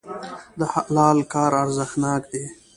د حلال کار ارزښتناک دی.